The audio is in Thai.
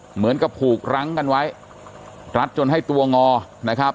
เหมือนกับผูกรั้งกันไว้รัดจนให้ตัวงอนะครับ